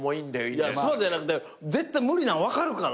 いやスマートじゃなくて絶対無理なん分かるから。